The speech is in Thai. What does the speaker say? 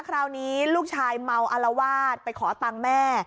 คราวนี้ลูกชายเมาอารวาสไปขอตังค์แม่